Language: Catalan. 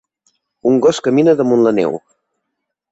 Un gos camina damunt la neu.